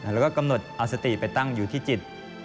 แล้วก็กำหนดเอาสติไปตั้งอยู่ที่จิต